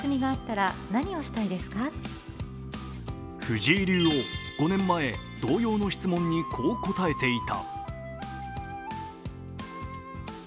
藤井竜王、５年前同様の質問にこう答えていた。